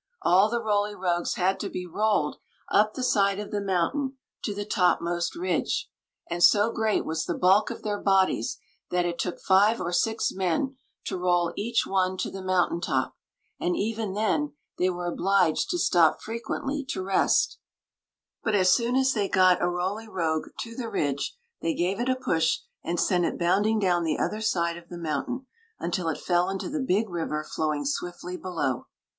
All the Roly Rogues had to be rolled up the side of Story of the Magic Cloak 287 the mountain to the topmost ridge, and so great was the bulk of their bodies that it took five or six men to roll each one to the mountain top; and even then they were obliged to stop frequently to rest But as soon as they got a Roly Rogue to the ridge they gave it a push and sent it bounding down the other side of the mountain until it fell into the big river flowing swiftly below.